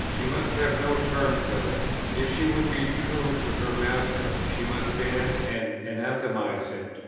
She must have no terms with it; if she would be true to her Master, she must ban and anathematize it.